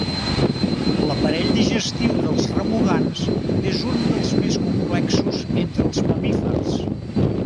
L'aparell digestiu dels remugants és un dels més complexos entre els mamífers.